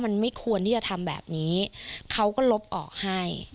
มันไม่ควรที่จะทำแบบนี้เขาก็ลบออกให้